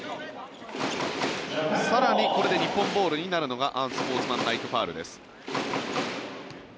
更にこれで日本ボールになるのがアンスポーツマンライクファウルです。